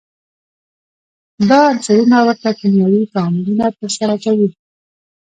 دا عنصرونه ورته کیمیاوي تعاملونه ترسره کوي.